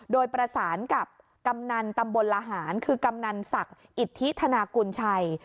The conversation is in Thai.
โดยประสานกับกำนันตำบลละหารคือกำนันศักดิ์อิทธิธนากุญชัย